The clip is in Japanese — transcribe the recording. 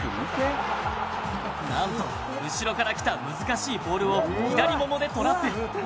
なんと後ろから来た難しいボールを左ももでトラップ！